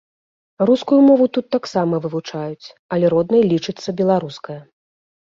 Рускую мову тут таксама вывучаюць, але роднай лічыцца беларуская.